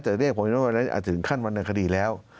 แต่เรียกผมว่าอาจจะถึงขั้นวรรณคดีแล้ว